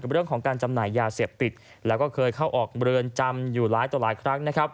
กับเรื่องของการจำหน่ายยาเสียบติดและเคยเข้าออกเบลือนจำอยู่หลายต่อหลายครั้ง